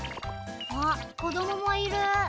あっこどももいる。